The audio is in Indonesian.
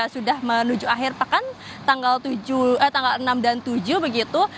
sudah menuju akhir pekan tanggal enam dan tujuh begitu